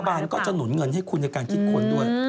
บานก็จะหนุนเงินให้คุณในการคิดค้นด้วย